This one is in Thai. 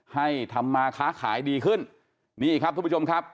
ให้ทำมาค้าขายดีขึ้นนี่ครับทุกผู้ชมครับ